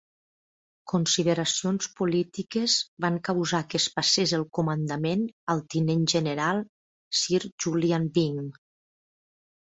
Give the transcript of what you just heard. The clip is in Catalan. Consideracions polítiques van causar que es passés el comandament al tinent general Sir Julian Byng.